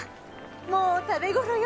もう食べ頃よ。